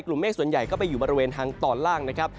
เมฆส่วนใหญ่ก็ไปอยู่บริเวณทางตอนล่างนะครับ